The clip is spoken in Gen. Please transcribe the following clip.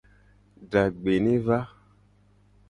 Dagbe ne va.